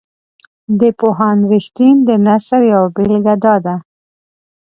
د پوهاند رښتین د نثر یوه بیلګه داده.